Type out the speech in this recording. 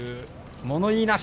物言いなし。